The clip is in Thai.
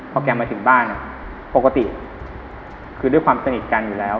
พอแกมาถึงบ้านปกติคือด้วยความสนิทกันอยู่แล้ว